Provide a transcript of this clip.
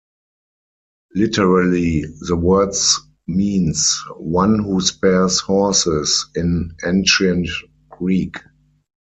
Literally, the words means "one who spares horses" in Ancient Greek.